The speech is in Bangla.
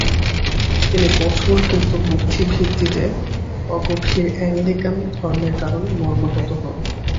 তিনি কঠোর কিন্তু বুদ্ধিভিত্তিতে অগভীর অ্যাংলিক্যান ধর্মের কারণে মর্মাহত হন।